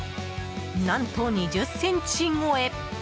何と２０ｃｍ超え！